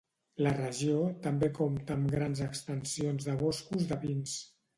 La regió també compta amb grans extensions de boscos de pins.